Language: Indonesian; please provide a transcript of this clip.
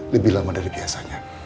lebih lama dari biasanya